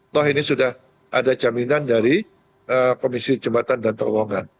toh ini sudah ada jaminan dari komisi jembatan dan terowongan